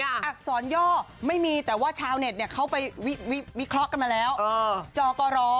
อักษรย่อไม่มีแต่ว่าชาวเน็ตเขาไปวิเคราะห์กันมาแล้วจอก็รอ